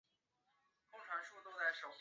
附加线又再可分为上附加线两种。